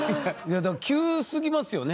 急すぎますよね？